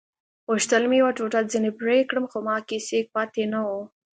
غوښتل مې یوه ټوټه ځینې پرې کړم خو ما کې سېک پاتې نه وو.